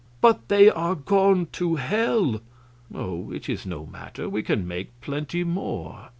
"But they are gone to hell!" "Oh, it is no matter; we can make plenty more."